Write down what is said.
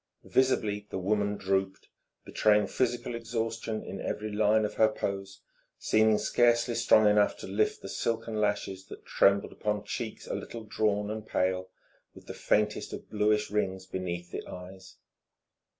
Visibly the woman drooped, betraying physical exhaustion in every line of her pose, seeming scarcely strong enough to lift the silken lashes that trembled upon cheeks a little drawn and pale, with the faintest of bluish rings beneath the eyes.